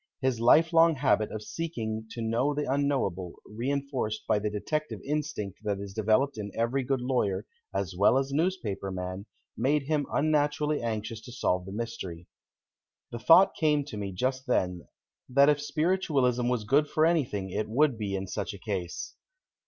His lifelong habit of seeking to know the unknowable, re enforced by the detective instinct that is developed in every good lawyer as well as newspaper man, made him unnaturally anxious to solve the mystery. The thought came to me just then that if Spiritualism was good for anything it would be in such a case.